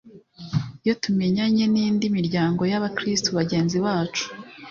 Iyo tumenyanye n indi miryango y abakristo bagenzi bacu